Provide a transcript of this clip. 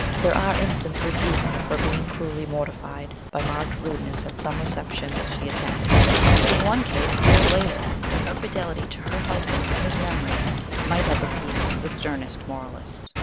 There are instances even of her being cruelly mortified by marked rudeness at some receptions she attended ; in one case years later, when her fidelity to her hus band and his memory might have appeased the sternest moralist.